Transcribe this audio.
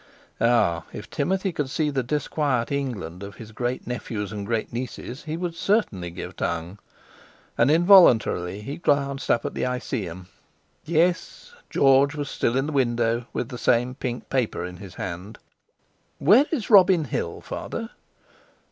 Ah! If Timothy could see the disquiet England of his great nephews and great nieces, he would certainly give tongue. And involuntarily he glanced up at the Iseeum; yes—George was still in the window, with the same pink paper in his hand. "Where is Robin Hill, Father?"